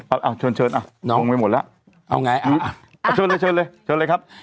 เอาชนน้องลงไปหมดละเอาไงชนเลยชนเลยครับ